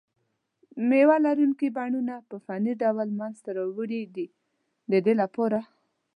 مېوه لرونکي بڼونه په فني ډول منځته راوړي دي د دې لپاره.